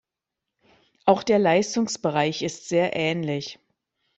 Auch der Leistungsbereich ist sehr ähnlich.